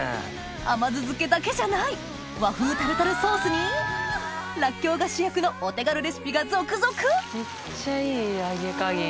甘酢漬けだけじゃない和風タルタルソースにらっきょうが主役のお手軽レシピが続々めっちゃいい揚げ加減。